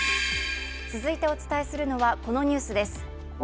続いてはお伝えするのは、このニュースです。